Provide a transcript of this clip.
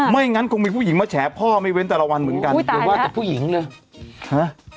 งั้นคงมีผู้หญิงมาแฉพ่อไม่เว้นแต่ละวันเหมือนกันอย่าว่าแต่ผู้หญิงเลยฮะ